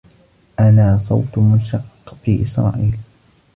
أنا صوت منشقّ في إسرائيل.